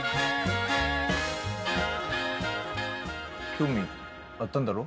興味あったんだろ？